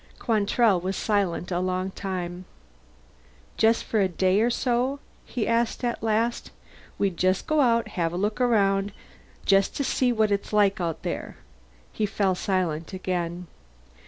Quantrell was silent a long time. "Just for a day or so?" he asked, at last. "We'll just go out, and have a look around, just to see what it's like out there." He fell silent again.